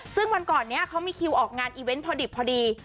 ซึ่งวันก่อนนี้เขามีคิวออกงานอีเวนต์พอดิบพอดี